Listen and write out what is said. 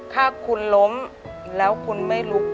ถ้าคุณล้มแล้วคุณไม่ลุก